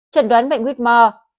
trần đoán bệnh huyết mò